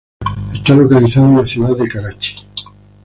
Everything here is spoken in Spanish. Está localizado en la ciudad de Karachi.